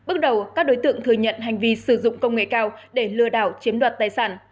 bước đầu các đối tượng thừa nhận hành vi sử dụng công nghệ cao để lừa đảo chiếm đoạt tài sản